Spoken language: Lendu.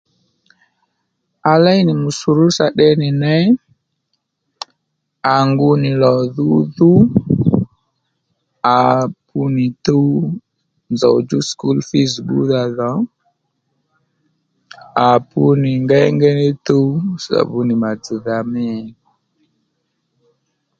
À léy nì mùsùrúsà tde nì ney à ngu nì lò dhudhu à pu nì tuw nzòw djú skul fiz bbúdha dhò à pu nì ngengéy ní tuw sabunì mà dzz̀dha mî